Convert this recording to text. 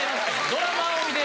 ドラマを見て！